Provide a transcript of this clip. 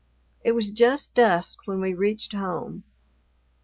It was just dusk when we reached home.